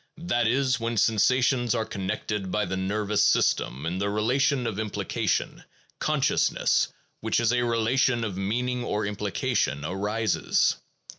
That is, when sensations are connected by the nervous system in the relation of implication, consciousness, which is a relation of meaning or implication, arises.